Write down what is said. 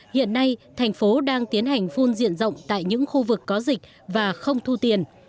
hiện nay thành phố đang tiến hành phun diện rộng tại những khu vực có dịch và không thu tiền